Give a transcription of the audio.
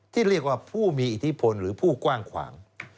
ที่เรียกว่าผู้มีอิทธิพลหรือผู้กว้างขวาง